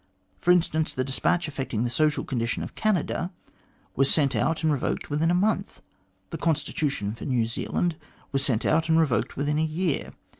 For instance, the despatch affecting the social condition of Canada was sent out and revoked within a month. The constitution for New Zealand was sent out and revoked within a year.